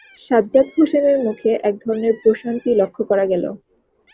সাজ্জাদ হোসেনের মুখে এক ধরনের প্রশান্তি লক্ষ করা গেল।